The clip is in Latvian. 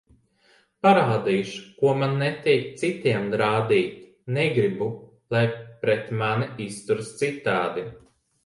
Parādīšu, ko man netīk citiem rādīt, negribu, lai pret mani izturas citādi.